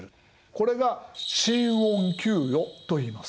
これが新恩給与といいます。